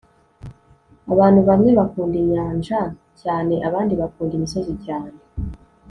abantu bamwe bakunda inyanja cyane, abandi bakunda imisozi cyane